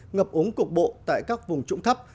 ngập ống cục bộ tại các vùng trũng thấp